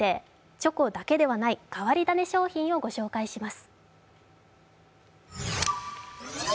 チョコだけではない、変わり種商品をご紹介します。